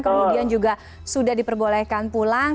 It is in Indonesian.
kemudian juga sudah diperbolehkan pulang